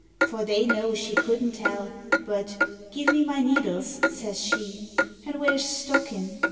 For they know she couldn't tell, but "Give me my needles," says she. " An' where's the stockin'?"